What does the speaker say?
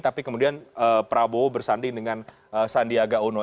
tapi kemudian prabowo bersanding dengan sandiaga uno